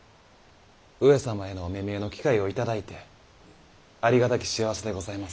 上様へのお目見えの機会を頂いてありがたき幸せでございます。